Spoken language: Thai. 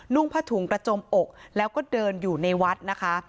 ่งผ้าถุงกระจมอกแล้วก็เดินอยู่ในวัดนะคะ